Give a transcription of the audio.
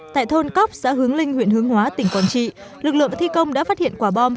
tại thôn cóc xã hướng linh huyện hướng hóa tỉnh quảng trị lực lượng thi công đã phát hiện quả bom